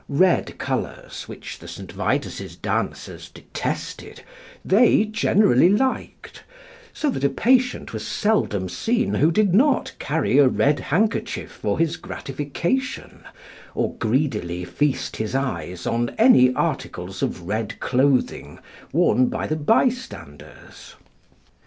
Red colours, which the St. Vitus's dancers detested, they generally liked, so that a patient was seldom seen who did not carry a red handkerchief for his gratification, or greedily feast his eyes on any articles of red clothing worn by the bystanders.